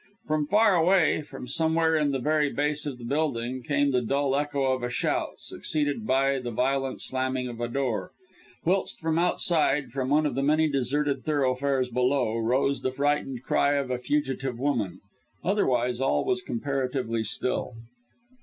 From far away from somewhere in the very base of the building, came the dull echo of a shout, succeeded by the violent slamming of a door; whilst from outside, from one of the many deserted thoroughfares below, rose the frightened cry of a fugitive woman. Otherwise all was comparatively still.